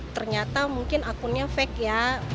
ternyata mungkin akunnya fake ya